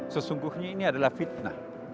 sesungguhnya ini adalah fitnah